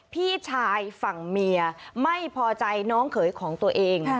พี่ชายฝั่งเมียไม่พอใจน้องเขยของตัวเอง